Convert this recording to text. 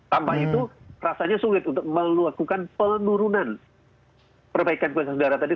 tanpa itu rasanya sulit untuk melakukan penurunan perbaikan kualitas udara tadi